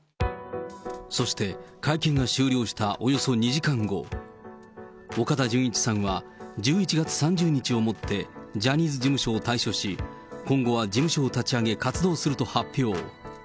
そして、会見が終了したおよそ２時間後、岡田准一さんは１１月３０日をもってジャニーズ事務所を退所し、今後は事務所を立ち上げ、活動すると発表。